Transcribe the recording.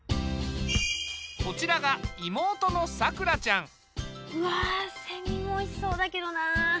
こちらが妹のさくらちゃん。わセミもおいしそうだけどな。